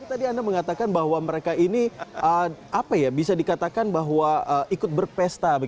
tadi anda mengatakan bahwa mereka ini apa ya bisa dikatakan bahwa ikut berpesta